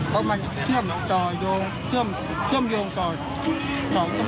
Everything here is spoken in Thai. มาไปตลาดไปอะไรขายของไปอะไร